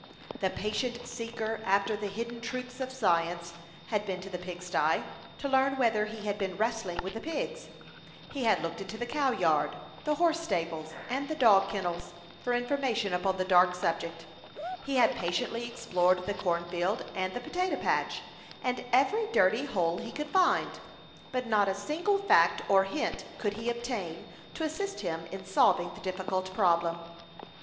The patient seeker after the hidden truths of science had been to the pigsty, to learn whether he had been wrestling with the pigs; he had looked into the cow yard, the horse stables, and the dog kennels for information upon the dark subject; he had patiently explored the cornfield and the potato patch, and every dirty hole he could find; but not a single fact or hint could he obtain to assist him in solving the difficult problem.